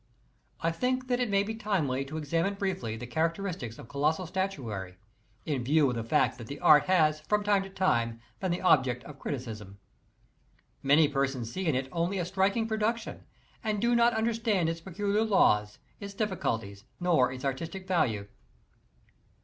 I think that it may be timely to examine briefly the characteristics of colossal statuary, in view of the fact that the art has from time to time been the object of criticism. Many persons see in it only a striking production, and do not understand its peculiar laws, its difficulties, nor its artistic value.